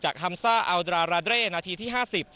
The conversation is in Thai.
จากฮัมซ่าเอาดราราเดร่นาทีที่๕๐